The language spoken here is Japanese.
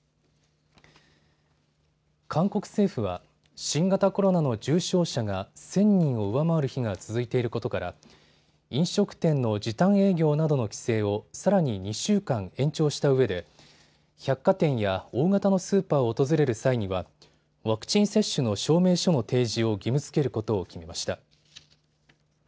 韓国政府は新型コロナの重症者が１０００人を上回る日が続いていることから飲食店の時短営業などの規制をさらに２週間延長した上で百貨店や大型のスーパーを訪れる際にはワクチン接種の証明書の提示を義務づけることを決めました。